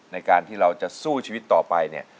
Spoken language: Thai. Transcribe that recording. ในการที่เราจะสู้ชีวิตต่อไปเนี่ย